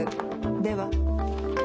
では。